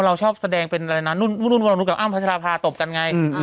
เราก็ชอบแสดงเป็นโดนเราลองรู้ดูแบบผัสระพาตบกันไง